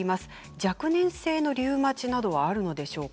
若年性リウマチはあるんでしょうか？